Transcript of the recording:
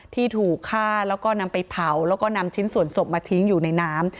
ที่ถูกฆ่าแล้วก็นำไปเผาแล้วก็นำชิ้นส่วนศพมาทิ้งอยู่ในน้ำ